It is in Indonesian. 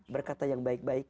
berkata yang baik baik